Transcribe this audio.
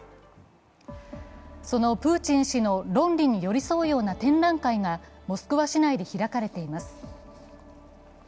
そのプーチン氏の論理に寄り添うような展覧会がモスクワ市内で開かれています。